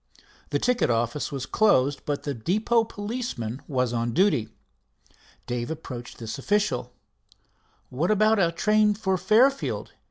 The ticket office was closed, but the depot policeman was on duty. Dave approached this official. "What about a train for Fairfield?"